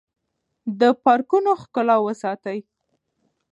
د پارکونو ښکلا وساتئ.